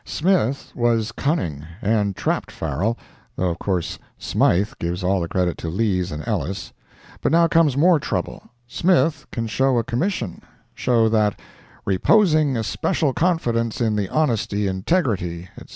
"Smith" was cunning, and trapped Farrell—though of course Smythe gives all the credit to Lees and Ellis. But now comes more trouble—"Smith" can show a commission—show that, "reposing especial confidence in the honesty, integrity," etc.